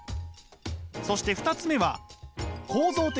そして２つ目は構造的暴力。